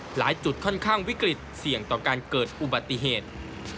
หลายจุดค่อนข้างวิกฤตเสี่ยงต่อการเกิดอุบัติเหตุ